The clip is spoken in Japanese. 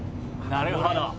なるほど。